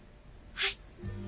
はい！